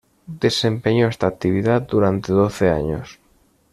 Desempeñó esta actividad durante doce años.